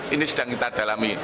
ini sedang kita dalami